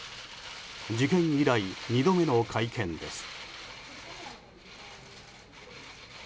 事件以来２度目の会見です。